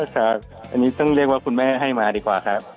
อันนี้ต้องเรียกว่าคุณแม่ให้มาดีกว่าครับ